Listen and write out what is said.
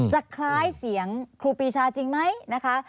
คล้ายเสียงครูปีชาจริงไหมนะคะ